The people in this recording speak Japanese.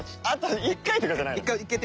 あと１回とかじゃないの。